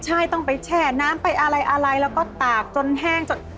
ใช่ต้องไปแช่น้ำไปอะไรแล้วก็ตากจนแห้งจน